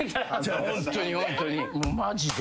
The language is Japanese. ホントにホントにマジで。